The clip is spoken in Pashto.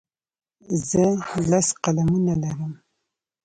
زه لس قلمونه لرم.